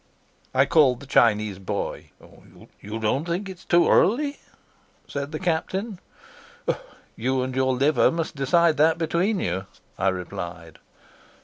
I called the Chinese boy. "You don't think it's too early?" said the Captain. "You and your liver must decide that between you," I replied.